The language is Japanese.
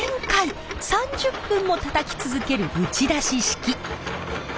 ３０分もたたき続ける打ち出し式。